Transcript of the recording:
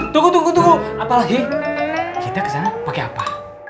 tunggu tunggu apalagi kita kesana pakai apa